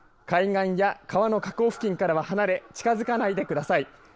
海岸や川の河口付近からは離れ近づかないでください。